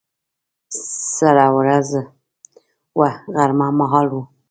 سړه ورځ وه، غرمه مهال و.